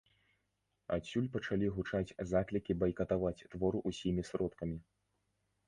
Адсюль пачалі гучаць заклікі байкатаваць твор усімі сродкамі.